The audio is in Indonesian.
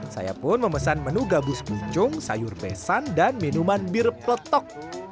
saya pun memesan menu gabus pucung sayur besan dan minuman bir peletok